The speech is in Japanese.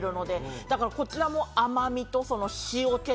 だからこちらも。